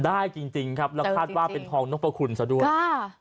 จริงจริงครับแล้วคาดว่าเป็นทองนกพระคุณซะด้วยอ่า